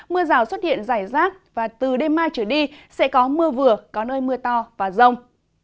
mưa rào xuất hiện rải rác và từ đêm mai trở đi sẽ có mưa vừa có nơi mưa to và rông